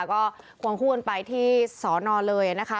ก็ควงคู่กันไปที่สอนอนเลยนะคะ